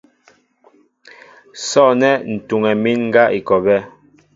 Sɔ̂nɛ́ ǹ tuŋɛ mín ŋgá i kɔ a bɛ́.